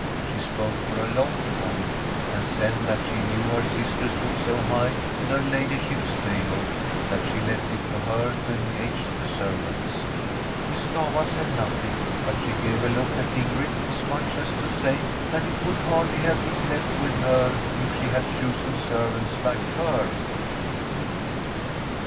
She spoke for a long time; said that she knew her sister stood so high in her lady Fram a SWEDISH HOMESTEAD ship's favour that she left it to her to engage the servants. Miss Stafva said nothing, but she gave a look at Ingrid as much as to say that it would hardiv have been left with her if she had chosen servants like her.